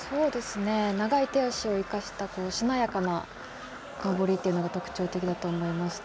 長い手足を生かしたしなやかな登りというのが特徴的だと思います。